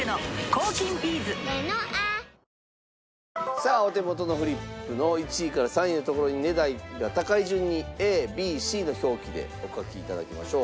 さあお手元のフリップの１位から３位のところに値段が高い順にＡＢＣの表記でお書きいただきましょう。